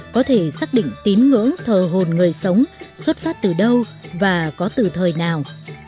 có thể xác định tín ngưỡng thờ hồn người sống xuất phát từ đâu và có từ thời nào